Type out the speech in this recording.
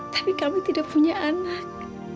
tapi kami tidak punya anak